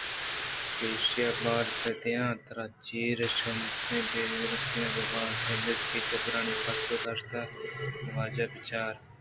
کہ ایشاں بال بِہ دئیان ءُ ترا چرے ناشراں بِہ رکہیّناں روبا ہ ءَ دجُکّ ءِ اے حبرانی پسّہ چُش دئیان ءَ درّائینتمنی واجہ! بِہ چار